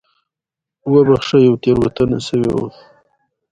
ازادي راډیو د طبیعي پېښې ستر اهميت تشریح کړی.